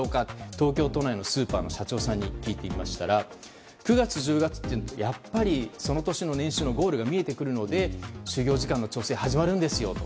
東京都内のスーパーの社長さんに聞いてみましたら９月、１０月はやっぱりその年の年収のゴールが見えてくるので就業時間の調整が始まるんですよと。